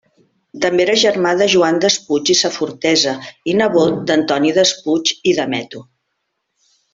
També era germà de Joan Despuig i Safortesa i nebot d'Antoni Despuig i Dameto.